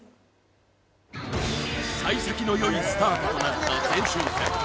幸先のよいスタートとなった前哨戦